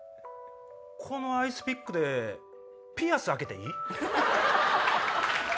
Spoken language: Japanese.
「このアイスピックでピアス開けていい？」。